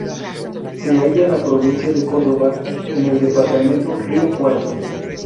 Se halla en la provincia de Córdoba en el departamento Río Cuarto.